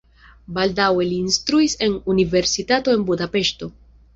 Baldaŭe li instruis en universitato en Budapeŝto.